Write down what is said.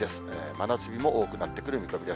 真夏日も多くなってくる見込みで